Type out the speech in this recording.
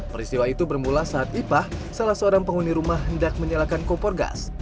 peristiwa itu bermula saat ipah salah seorang penghuni rumah hendak menyalakan kompor gas